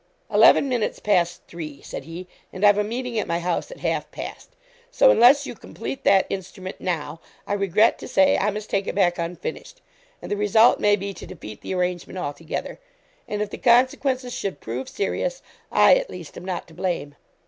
'Eleven minutes past three,' said he, 'and I've a meeting at my house at half past: so, unless you complete that instrument now, I regret to say I must take it back unfinished, and the result may be to defeat the arrangement altogether, and if the consequences should prove serious, I, at least, am not to blame.'